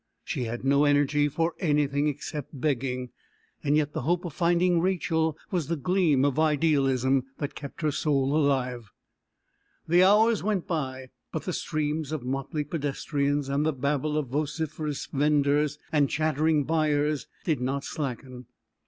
She had no energy for anything except begging. Yet the hope of finding Rachel was the gleam of idealism that kept her soul alive. The hours went by, but the streams of motley pedestrians and the babel of vociferous vendors and chattering buyers did not slacken.